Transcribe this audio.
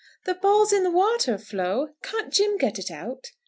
"The ball in the water, Flo! Can't Jim get it out?"